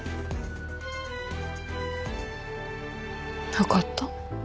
分かった。